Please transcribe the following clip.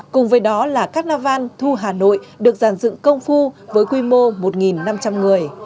cùng với đó là các nà văn thu hà nội được giàn dựng công phu với quy mô một năm trăm linh người